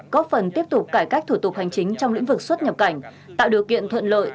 có phần tiếp tục cải cách thủ tục hành chính trong lĩnh vực xuất nhập cảnh tạo điều kiện thuận lợi